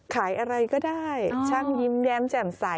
ขายอะไรก็ได้ช่างยิ้มแย้มแจ่มใส